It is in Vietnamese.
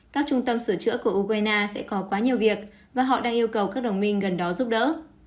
các trung tâm sửa chữa của ukraine sẽ có quá nhiều việc và họ đang yêu cầu các đồng minh gần đó giúp đỡ